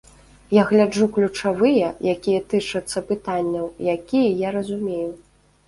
Я гляджу ключавыя, якія тычацца пытанняў, якія я разумею.